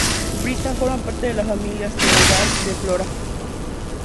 Britta forma parte de la familia asteroidal de Flora.